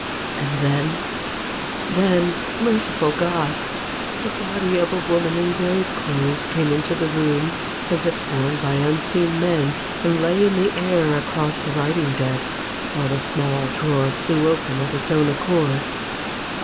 And then — then, merciful God ! the body of a woman in grave clothes came into the room, as if borne by unseen men, and lay in the air across the writing desk, while the small drawer flew open 96 A BOOK OF BARGAINS. of its own accord.